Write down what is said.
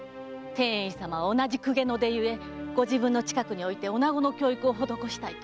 天英院様は同じ公家の出ゆえご自分の近くに置いて女子の教育を施したいと。